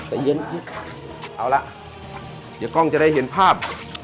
แต่เย็นเอาละเดี๋ยวกล้องจะได้เห็นภาพ